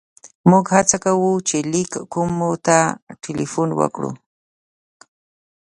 موږ هڅه کوو چې لېک کومو ته ټېلیفون وکړو.